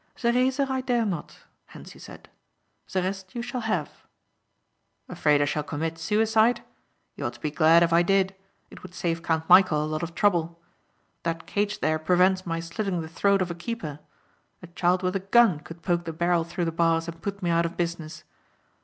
"The razor I dare not," Hentzi said. "The rest you shall have." "Afraid I shall commit suicide? You ought to be glad if I did. It would save Count Michæl a lot of trouble. That cage there prevents my slitting the throat of a keeper. A child with a gun could poke the barrel through the bars and put me out of business.